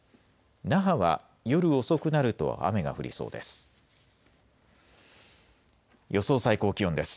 那覇は夜遅くなると雨が降りそうです。